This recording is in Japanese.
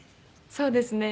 そうですね。